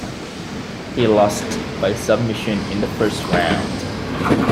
He lost by submission in the first round.